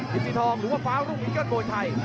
มีสีทองหรือว่าเฟ้ารุ่งอิงเกิ้ลโบรไทย